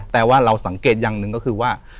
แต่ว่าเราสังเกตอย่างหนึ่งก็คือว่า